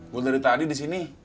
gue dari tadi disini